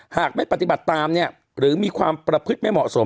หากไม่ปฏิบัติตามเนี่ยหรือมีความประพฤติไม่เหมาะสม